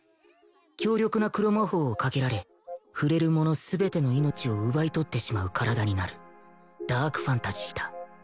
強力な黒魔法をかけられ触れるもの全ての命を奪い取ってしまう体になるダークファンタジーだ